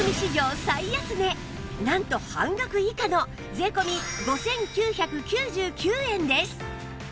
なんと半額以下の税込５９９９円です